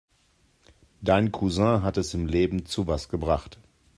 Dein Cousin hat es im Leben zu was gebracht.